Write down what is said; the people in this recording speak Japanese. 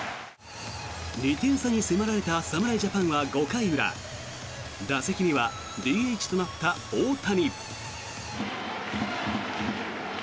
２点差に迫られた侍ジャパンは５回裏打席にはＤＨとなった大谷。